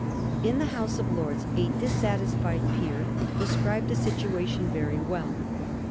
In the House of Lords a dissatisfied peer described the situation very well.